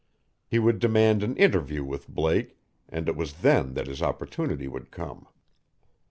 He would demand an interview with Blake, and it was then that his opportunity would come.